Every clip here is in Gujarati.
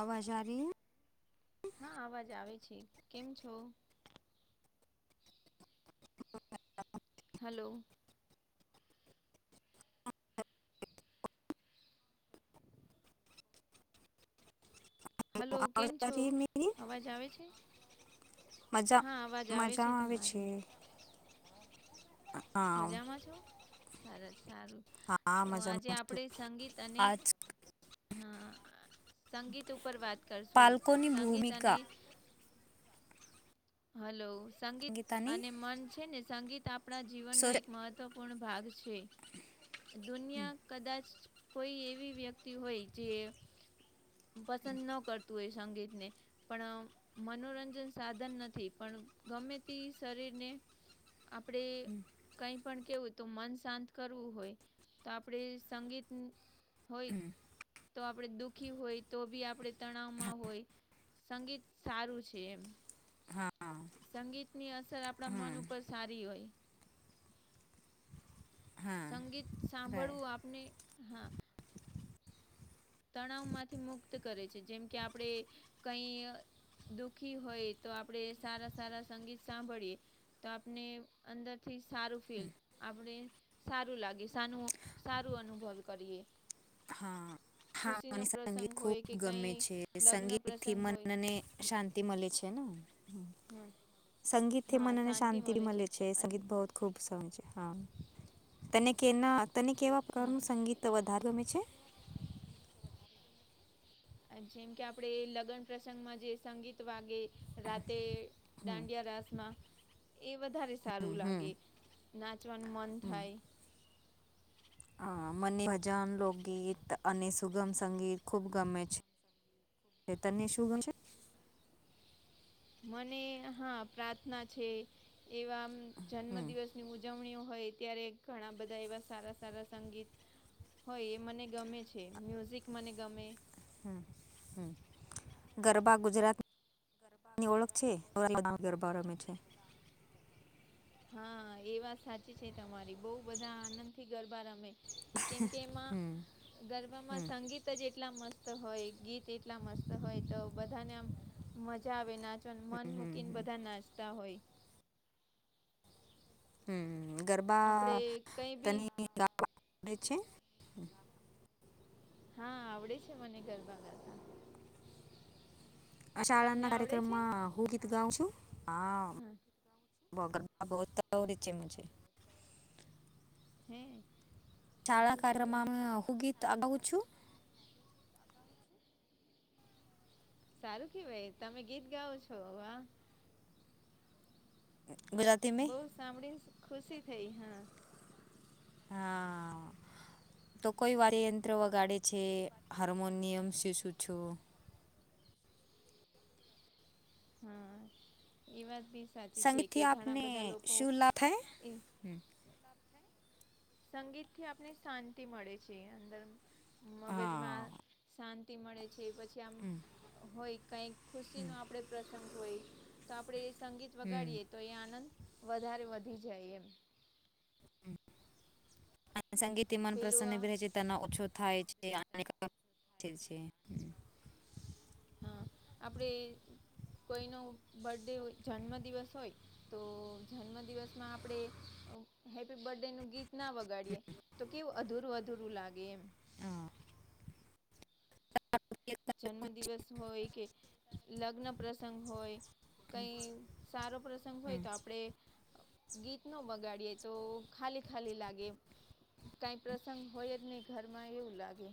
અવાજ આરી હે? હા અવાજ આવે છે. કેમ છો? હલો. હેલો, કેમ છો? અવાજ આવે છે? હા, અવાજ આવે છે તમારી. હા મજામાં છો? સરસ, સારું. હા તો આજે મજામાં છું આપણે સંગીત અને આજ હા. સંગીત ઉપર વાત કરશું. પાલકોની સંગીત અને ભૂમિકા હલો. સંગીત સંગીતાની અને મન છે ને, સંગીત આપણા સો જીવનનું એક મહત્ ત્વપૂર્ણ ભાગ છે. દુનિયા કદાચ કોઈ એવી વ્યક્તિ હોય જે પસંદ ન કરતું હોય સંગીતને પણ આ મનોરંજન સાધન નથી. પણ ગમે તી શરીરને આપણે કંઈ પણ કેવું તો મન શાંત કરવું હોય. તો આપણે સંગીત હોય હમ, તો આપણે દુઃખી હોઈ તો બી પણ આપણે હા, તણાવમાં હોઈ, સંગીત સારું છે એમ. હા સંગીતની અસર આપણા મન હમ, ઉપર સારી હોય. હા સંગીત સાંભળવું આપને, હા. તણાવમાંથી મુક્ત કરે છે, જેમ કે આપણે કંઈ. દુઃખી હોઈએ તો આપડે સારા સારા સંગીત સાંભળીએ. તો આપને અંદરથી સારું ફીલ આપડે સારું લાગે, સાનું-સારું અનુભવ કરીએ. હા. હા ખુશીનો મને પ્રસંગ સંગીત હોય ખૂબ કે કઈ ગમે છે લગ્ન સંગીતથી પ્રસંગ હોય મનને શાં તિ મલે છે ને હા હા સંગીતથી શાંતિ મળે મલે છે અને સંગીત [unintelligible] ખૂબ [unintelligible] હા તને કેના તને કેવા છે હા પ્રકારનું સંગી ત વધાર ગમે છે. જેમ કે આપડે લગન પ્રસંગમાં જે સંગીત વાગે રાતે દાંડિયા રાશમા એ વધારે હમ સારું હમ લાગે નાચવાનું મન હમ થાય. હા મને ભજન, લોકગીત અને સુગમ સંગીત ખુબ ગમે છે. ને તને શું [inaudible] છે. મને હા, પ્રાર્થના છે. એવા જન્મ હમ. દિવસની ઉજવણીઓ હોય ત્યારે ઘણા બધા એવા સારા-સારા સંગીત હોય એ મને ગમે છે, મ્યુઝિક મને ગમે. હમ્મ. ગરબા ગુજરા [inaudible] ઓળખ છે [inaudible] ગરબા રમે છે. હા એ વાત સાચી છે તમારી બહુ બધા આનંદથી ગરબા રમે. કેમ કે એમાં ગરબામાં હમ, સંગી ત જ એટલા મસ્ત હોય, ગીત એટલા મસ્ત હોય તો બધાને આમ મજા આવે નાચવાન મન હમ, મૂકીન બધા નાચતા હોય. હમ્મ ગરબા આપડે કઈ બી તને [inaudible] છે. હા, આવડે છે મને ગરબા ગાતા. [inaudible] [inaudible] ના આવડે છે? કાર્યક્રમમાં હું ગીત ગાઉ છું હા. [unintelligible] હે. સારું [unintelligible] [inaudible] સારું માં હુ ગીત ગાઉ છું. સારું કેવાય તમે ગીત ગાવો છો વાહ. [unintelligible] બઉ સાંભળીન ખુશી થઈ હા. હા તો કોઈ [inaudible] યંત્ર વગાડે. છે હાર્મોનિયમ શીશું છું. હા, એ વાત બી સાચી છે સંગીતથી કે ઘણા આપને બધા લોકો શું લાભ થાય? એ હમ. સંગીતથી આપને શાંતિ મળે છે અંદર મગજમાં હા શાં તિ મળે છે પછી આમ હોય કાઈક ખુશીનો આપડે પ્રસંગ હોય. તો આપડે એ સંગીત હમ વગાડીએ તો એ આનંદ વધારે વધી જાય એમ. સંગીત મન પેલું પ્રસન્ન આ [unintelligible] થાય છે અને [inaudible] છે. હા, આપણે કોઈનો બર્થડે હોય જન્મદિવસ હોય. તો જન્મ દિવસમાં આપણેે અ હેપ્પી બર્થ ડે નું ગીત ના વગાડીએ. તો કેવું અધૂરું અધૂરું લાગે એમ. હા. તમારો પ્રિય જન્મ ગાયક કોણ દિવસ હોય કે લગ્ન પ્રસંગ હોય કઈ છે? સારો પ્રસંગ હોય હમ. તો આપડે ગીત નો વગાડીએ તો ખાલી ખાલી લાગે એમ. કાઈ પ્રસંગ હોય જ નઈ ઘરમાં એવું લાગે.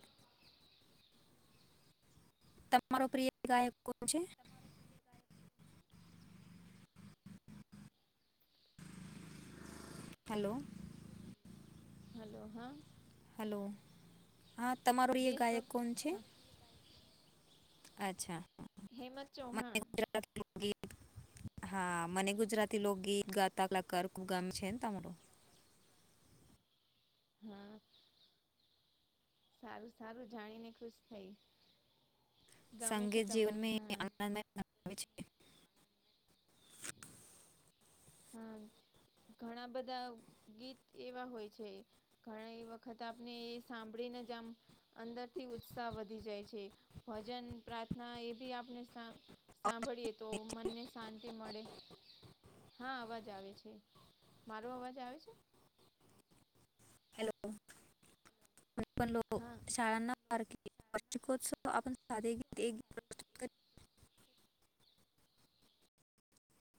તમારો પ્રિય ગાયક કોણ છે? હલો. હલો, હા. હલો, હા. તમારો પ્રિય ગાયક દેશભક્તિ કોણ છે? હા અચ્છા. હેમંત ચૌહાણ. [inaudible] હા, મને ગુજરાતી લોકગીત ગાતા કલાકાર [inaudible] ગમ છે [inaudible] હા, સારુ સારુ જાણીને ખુશ થઈ. ગમે છે સંગીત તમને જીવનમાં હા આનંદમય બનાવે છે. હા, ઘણા બધાઓ ગીત એવા હોય છે ઘણી વખતે આપને એ સાંભળી નેજ આમ અંદર થી ઉત્સાહ વધી જાય છે. ભજન, પ્રાર્થના એ બી આપને શા સાંભળીએ તો મનને શાંતિ મળે. હા, અવાજ આવે છે. મારો અવાજ આવે છે? હેલો, [inaudible] શાળાના હા [inaudible] લો [inaudible] [inaudible] [unintelligible] [inaudible] [inaudible]